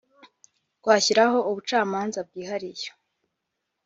twashyiraho ubucamanza bwihariye